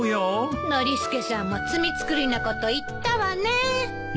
ノリスケさんも罪作りなこと言ったわね。